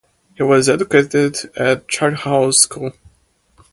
He was educated at Charterhouse School.